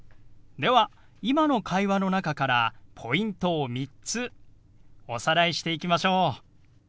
では今の会話の中からポイントを３つおさらいしていきましょう。